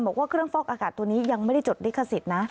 บอกว่าเครื่องฟอกอากาศตัวนี้ยังไม่ได้จดลิขสิทธิ์นะ